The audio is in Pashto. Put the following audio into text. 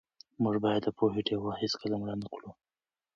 موږ باید د پوهې ډېوه هېڅکله مړه نه کړو.